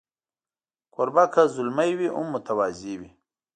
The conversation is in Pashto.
کوربه که زلمی وي، هم متواضع وي.